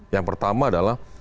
yang pertama adalah